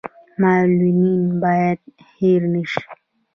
معلولین باید هیر نشي